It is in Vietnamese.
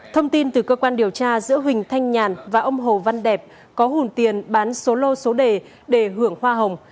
thông tin từ cơ quan điều tra giữa huỳnh thanh nhàn và ông hồ văn đẹp có hồn tiền bán số lô số đề để hưởng hoa hồng